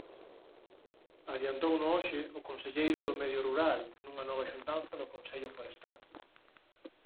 Adiantouno hoxe o conselleiro do Medio Rural nunha nova xuntanza do Consello Forestal.